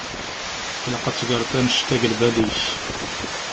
Ilaq ad tegreḍ annect-a g lbal-ik.